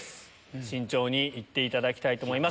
慎重にいっていただきたいと思います。